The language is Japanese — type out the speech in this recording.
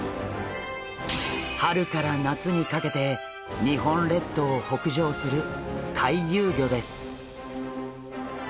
春から夏にかけて日本列島を北上する回遊魚です。